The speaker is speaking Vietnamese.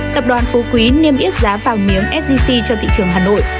tập đoàn phú quý niêm yết giá vàng miếng sgc cho thị trường hà nội